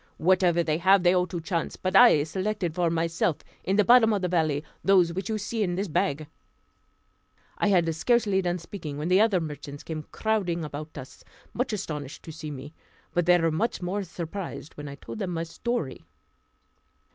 Whatever they have they owe to chance; but I selected for myself, in the bottom of the valley, those which you see in this bag," I had scarcely done speaking, when the other merchants came crowding about us, much astonished to see me; but they were much more surprised when I told them my story.